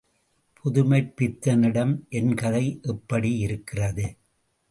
புதுமைப்பித்தனிடம் என் கதை எப்படி இருக்கிறது?